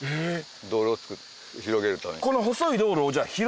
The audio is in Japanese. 道路を広げるために。